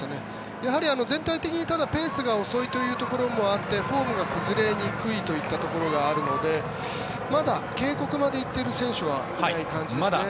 やはり全体的にペースが遅いというところがあってフォームが崩れにくいといったところがあるのでまだ警告まで行っている選手はいない感じですね。